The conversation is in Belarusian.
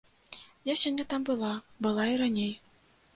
Я сёння там была, была і раней.